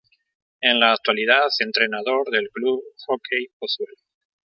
En la actualidad, entrenador del Club Hockey Pozuelo.